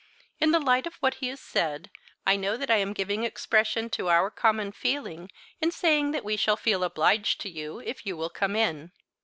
In the light of what he has said, I know that I am giving expression to our common feeling in saying that we shall feel obliged to you if you will come in."